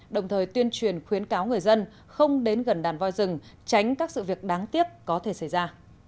đồng thời tuyên truyền khuyến cáo người dân không đến gần đàn voi rừng tránh các sự việc đáng tiếc có thể xảy ra